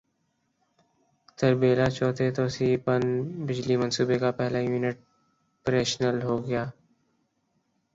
تربیلا چوتھے توسیعی پن بجلی منصوبے کا پہلا یونٹ پریشنل ہوگیا